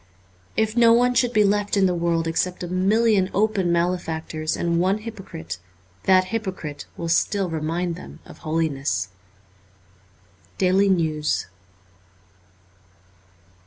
If no one should be left in the world except a million open male factors and one hypocrite, that hypocrite will still remind them of holiness. * Daily News.'